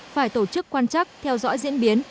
phải tổ chức quan chắc theo dõi diễn biến